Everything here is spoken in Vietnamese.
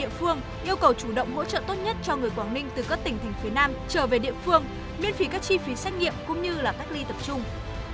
ủy ban nhân dân tỉ quảng ninh vừa có văn bản gửi cất sở ngành địa phương yêu cầu chủ động hỗ trợ tốt nhất cho người quảng ninh từ các tỉnh thỉnh phía nam trở về địa phương miễn phí các chi phí xét nghiệm cũng như là cách ly tập trung